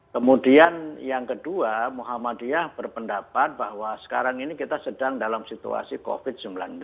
kemudian yang kedua muhammadiyah berpendapat bahwa sekarang ini kita sedang dalam situasi covid sembilan belas